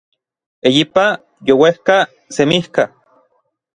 eyipa, youejka, semijka